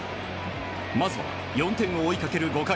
まずは４点を追いかける５回。